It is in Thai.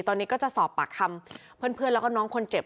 ตอนนี้ก็จะสอบปากคำเพื่อนแล้วก็น้องคนเจ็บ